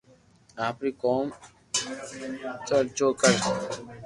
آپري نوم چرچو ڪر